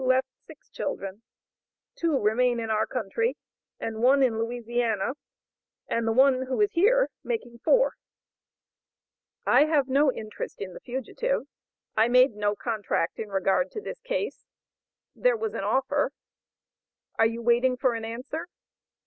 left six children; two remain in our country, and one in Louisiana, and the one, who is here, making four; I have no interest in the fugitive; I made no contract in regard to this case; there was an offer; are you waiting for an answer?